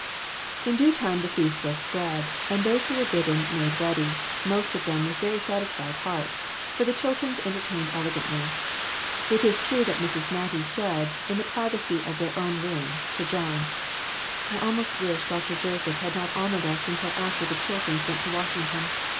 In due time the feast was spread, and those who were bidden made ready, most of them with very satisfied hearts, for the Chiltons entertained elegantly. It is true that Mrs. Mattie said, in the privacy of their own room, to John "I almost wish Dr. Joseph had not honored us until after the Chiltons went to Washington.